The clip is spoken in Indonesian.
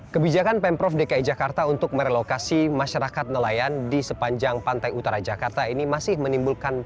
kebijakan pemprov dki jakarta untuk merelokasi masyarakat nelayan di sepanjang pantai utara jakarta ini masih menimbulkan